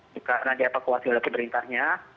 juga nanti evakuasi oleh pemerintahnya